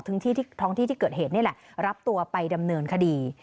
ที่ท้องที่ที่เกิดเหตุนี่แหละรับตัวไปดำเนินคดี